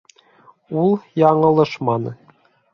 Ул яңылышманы...